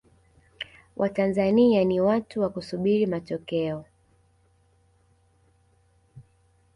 watanzania ni watu wa kusubiri matokeo